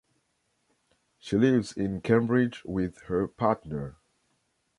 She lives in Cambridge with her partner.